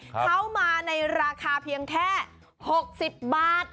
เขามาในราคาเพียงแค่๖๐บาท